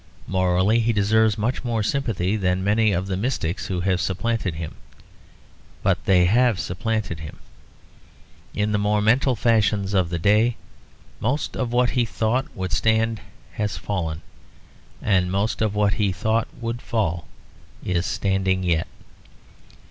Morally he deserves much more sympathy than many of the mystics who have supplanted him. But they have supplanted him. In the more mental fashions of the day, most of what he thought would stand has fallen, and most of what he thought would fall is standing yet.